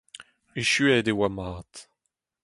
Echuet e oa mat.